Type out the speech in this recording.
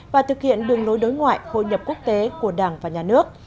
và thực hiện đường lối đối ngoại hội nhập quốc tế của đảng và nhà nước